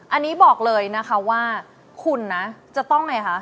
อันนี้บอกเลยนะคะว่าคุณนะจะต้องไงคะ